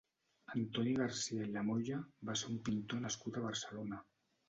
Antoni Garcia i Lamolla va ser un pintor nascut a Barcelona.